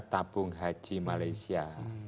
tabung haji malaysia